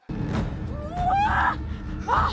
うわ！